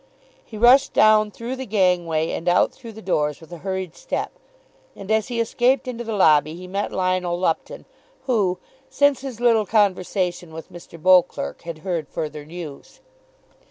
He rushed down through the gangway and out through the doors with a hurried step, and as he escaped into the lobby he met Lionel Lupton, who, since his little conversation with Mr. Beauclerk, had heard further news.